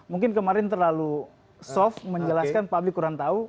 mungkin kemarin terlalu soft menjelaskan publik kurang tahu